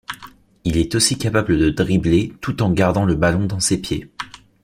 Il est aussi capable de dribbler tout en gardant le ballon dans ses pieds.